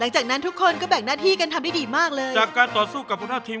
หลังจากนั้นทุกคนก็แบ่งหน้าที่กันทำได้ดีมากเลย